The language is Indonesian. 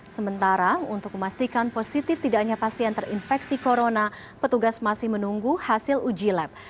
sementara untuk memastikan positif tidak hanya pasien terinfeksi corona petugas masih menunggu hasil uji lab